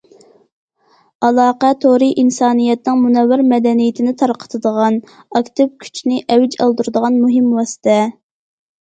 ئالاقە تورى ئىنسانىيەتنىڭ مۇنەۋۋەر مەدەنىيىتىنى تارقىتىدىغان، ئاكتىپ كۈچنى ئەۋج ئالدۇرىدىغان مۇھىم ۋاسىتە.